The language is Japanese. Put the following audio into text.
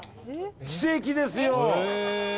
奇跡ですよ！